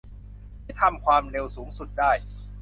ที่ทำความเร็วสูงสุดได้